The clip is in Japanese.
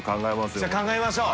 茵じゃあ考えましょう。